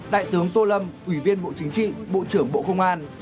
đại tướng tô lâm ủy viên bộ chính trị bộ trưởng bộ công an